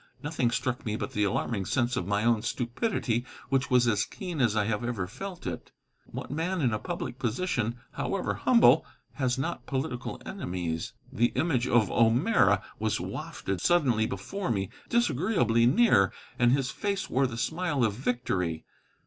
Nothing struck me but the alarming sense of my own stupidity, which was as keen as I have ever felt it. What man in a public position, however humble, has not political enemies? The image of O'Meara was wafted suddenly before me, disagreeably near, and his face wore the smile of victory.